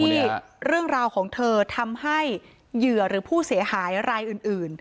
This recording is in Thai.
ที่เรื่องราวของเธอทำให้เหยื่อหรือผู้เสียหายรายอื่น